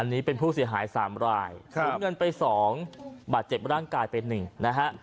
อันนี้เป็นผู้เสียหาย๓รายสูญเงินไป๒บาทเจ็บร่างกายไปหนึ่งนะฮะ